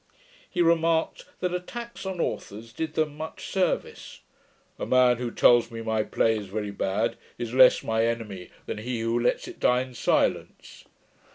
He remarked, that attacks on authors did them much service. 'A man who tells me my play is very bad, is less my enemy than he who lets it die in silence.